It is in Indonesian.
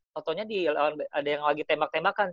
foto nya ada yang lagi tembak tembakan